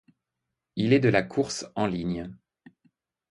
Il est de la course en ligne.